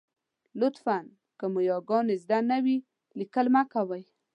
لطفاً! که مو یاګانې زده نه وي، لیکل مه کوئ.